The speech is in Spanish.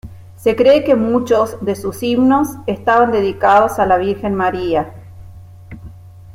Se cree que muchos de sus himnos estaban dedicados a la Virgen María.